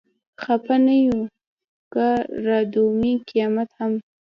خپه نه يو که رادرومي قيامت هم